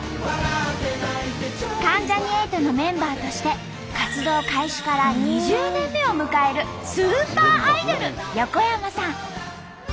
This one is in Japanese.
関ジャニ∞のメンバーとして活動開始から２０年目を迎えるスーパーアイドル横山さん。